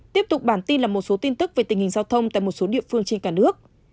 tiếp tục bản tin là một số tin tức về tình hình giao thông tại một số địa phương trên cả nước